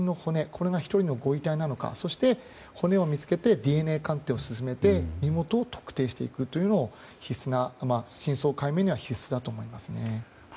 これが１人のご遺体なのかそして、骨を見つけてＤＮＡ鑑定を進めて身元を特定していくというのが真相解明には必須だと思いますね。